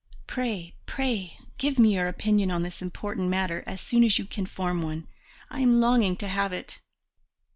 Pray, pray, give me your opinion on this important matter as soon as you can form one. I am longing to have it."